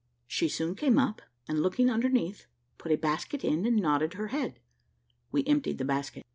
She soon came up, and looking underneath, put a basket in, and nodded her head. We emptied the basket.